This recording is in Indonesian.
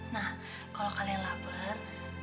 nah kalo kalian lapar